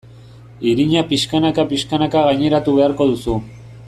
Irina pixkanaka-pixkanaka gaineratu beharko duzu.